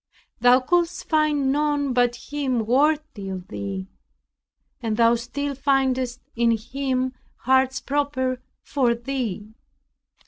Thou couldst find none but Him worthy of Thee, and thou still findest in Him hearts proper for thee.